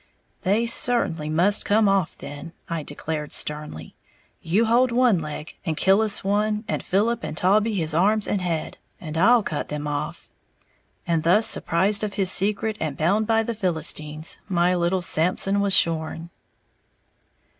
"They certainly must come off then," I declared sternly. "You hold one leg, and Killis one, and Philip and Taulbee his arms and head, and I'll cut them off!" And thus surprised of his secret, and bound by the Philistines, my little Samson was shorn.